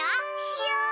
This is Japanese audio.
しよう！